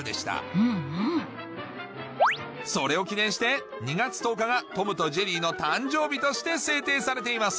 うんうんそれを記念して２月１０日がトムとジェリーの誕生日として制定されています！